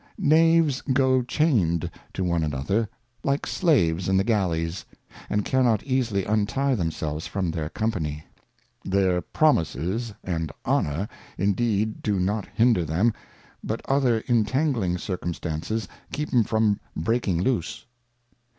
Knaves go chain'd to one another like Slaves in the Gallies, and cannot easily untie themselves from their Company. Their Promises and Honour indeed do not hinder them, but other intangling Circumstances keep 'em from breaking loose.